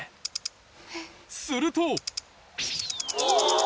すると！